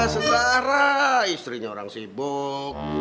sedara istrinya orang sibuk